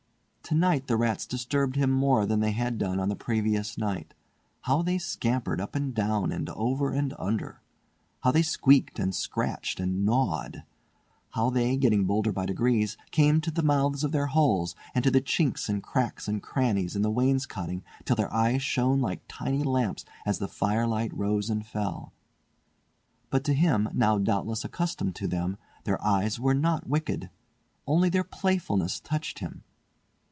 Tonight the rats disturbed him more than they had done on the previous night. How they scampered up and down and under and over! How they squeaked, and scratched, and gnawed! How they, getting bolder by degrees, came to the mouths of their holes and to the chinks and cracks and crannies in the wainscoting till their eyes shone like tiny lamps as the firelight rose and fell. But to him, now doubtless accustomed to them, their eyes were not wicked; only their playfulness touched him.